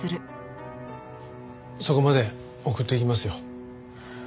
そこまで送っていきますよ。